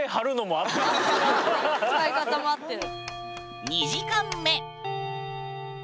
使い方も合ってる。